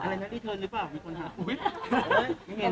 อะไรนั้นที่เธอหรือเปล่ามีคนถาม